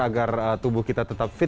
agar tubuh kita tetap fit